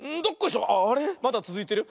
まだつづいてるよ。